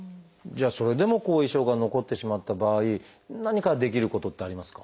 それでも後遺症が残ってしまった場合何かできることってありますか？